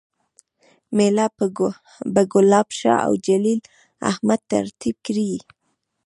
میله به ګلاب شاه اوجلیل احمد ترتیب کړي